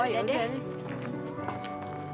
oh yaudah deh